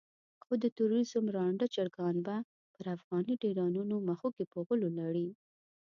خو د تروريزم ړانده چرګان به پر افغاني ډيرانونو مښوکې په غولو لړي.